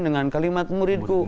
dengan kalimat muridku